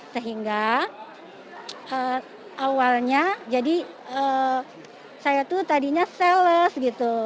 sehingga awalnya jadi saya tuh tadinya sales gitu